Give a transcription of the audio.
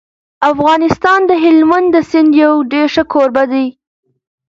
افغانستان د هلمند د سیند یو ډېر ښه کوربه دی.